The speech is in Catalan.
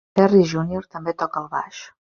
Berry Junior també toca el baix.